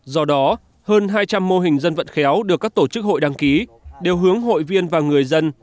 do đó hơn hai trăm linh mô hình dân vận khéo được các tổ chức hội đăng ký đều hướng hội viên và người dân